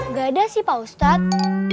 nggak ada sih pak ustadz